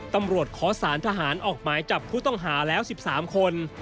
ตำรวจขอสารทหารออกหมายจับผู้ต้องหาแล้ว๑๓คน